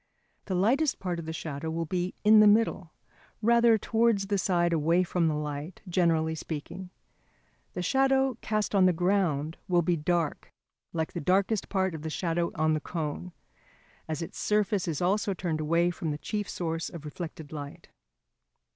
The lightest part of the shadow will be in the middle, rather towards the side away from the light, generally speaking. The shadow cast on the ground will be dark, like the darkest part of the shadow on the cone, as its surface is also turned away from the chief source of reflected light.